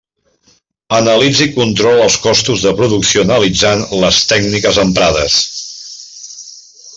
Analitza i controla els costos de producció analitzant les tècniques emprades.